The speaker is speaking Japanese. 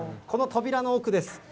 この扉の奥です。